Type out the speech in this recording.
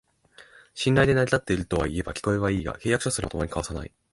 信頼で成り立ってるといえば聞こえはいいが、契約書すらまともに交わさない